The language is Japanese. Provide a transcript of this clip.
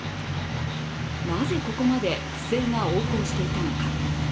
なぜ、ここまで不正が横行していたのか。